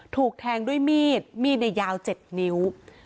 ถูกแทงด้วยมีดมีดในยาว๗นิ้ว